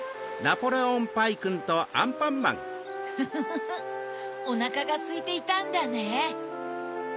フフフフおなかがすいていたんだね。